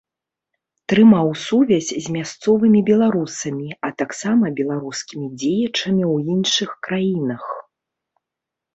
Трымаў сувязь з мясцовымі беларусамі, а таксама беларускімі дзеячамі ў іншых краінах.